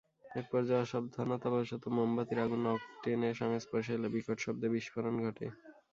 একপর্যায়ে অসাবধানতাবশত মোমবাতির আগুন অকটেনের সংস্পর্শে এলে বিকট শব্দে বিস্ফোরণ ঘটে।